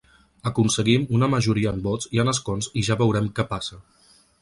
Aconseguim una majoria en vots i en escons i ja veurem què passa.